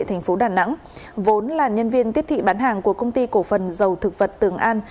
thành phố đà nẵng vốn là nhân viên tiếp thị bán hàng của công ty cổ phần dầu thực vật tường an